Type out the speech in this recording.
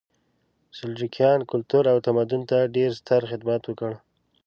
سلجوقیانو کلتور او تمدن ته ډېر ستر خدمت وکړ.